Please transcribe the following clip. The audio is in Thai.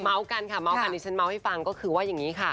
เม้ากันค่ะเม้าคันนี้ฉันเม้าให้ฟังก็คือว่าอย่างนี้ค่ะ